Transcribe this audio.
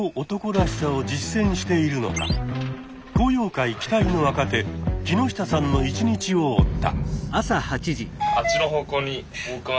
昂揚会期待の若手木下さんの一日を追った。